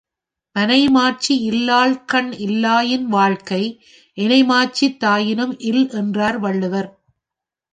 மனைமாட்சி இல்லாள்கண் இல்லாயின் வாழ்க்கை எனைமாட்சித் தாயினும் இல் என்றார் வள்ளுவர்.